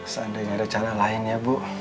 seandainya ada cara lain ya bu